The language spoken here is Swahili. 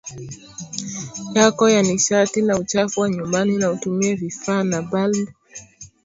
yako ya nishati na uchafu wa nyumbani na utumie vifaa na balbu